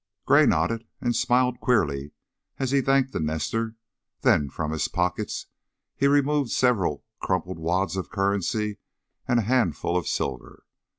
Gray nodded and smiled queerly as he thanked the nester, then from his pockets he removed several crumpled wads of currency and a handful of silver.